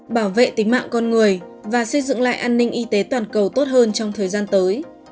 bảo vệ tính mạng con người và xây dựng lại an ninh y tế toàn cầu tốt hơn trong thời gian tới